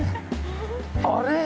あれ？